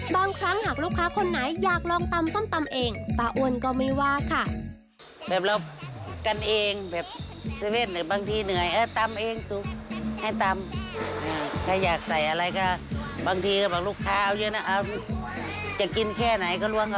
บางครั้งหากลูกค้าคนไหนอยากลองตำส้มตำเอง